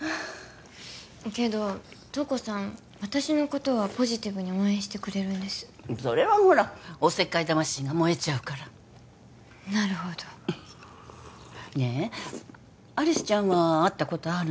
けど瞳子さん私のことはポジティブに応援してくれるんですそれはほらおせっかい魂が燃えちゃうからなるほどねえ有栖ちゃんは会ったことあるの？